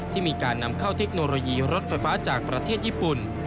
ที่มีการนำเข้าเทคโนโลยีรถไฟฟ้าจากประเทศญี่ปุ่น